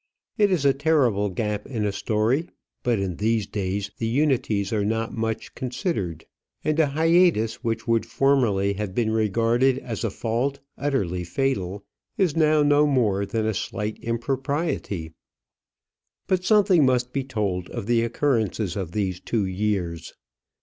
It is a terrible gap in a story; but in these days the unities are not much considered, and a hiatus which would formerly have been regarded as a fault utterly fatal is now no more than a slight impropriety. But something must be told of the occurrences of these two years.